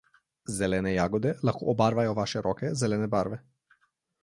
Zelene jagode lahko obarvajo vaše roke zelene barve.